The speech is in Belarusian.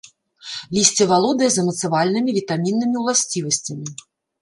Лісце валодае замацавальнымі, вітаміннымі ўласцівасцямі.